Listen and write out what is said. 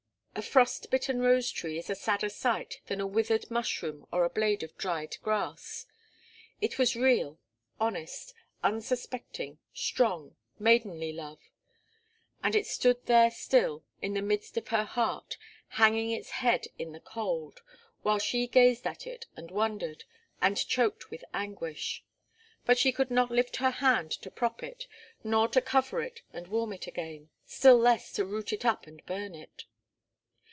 A frostbitten rose tree is a sadder sight than a withered mushroom or a blade of dried grass. It was real, honest, unsuspecting, strong, maidenly love, and it stood there still in the midst of her heart, hanging its head in the cold, while she gazed at it and wondered, and choked with anguish. But she could not lift her hand to prop it, nor to cover it and warm it again, still less to root it up and burn it.